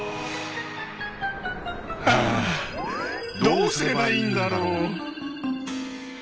あどうすればいいんだろう？